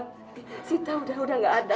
cita sudah enggak ada